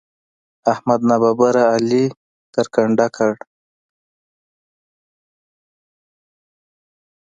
احمد ناببره علي کرکنډه کړ.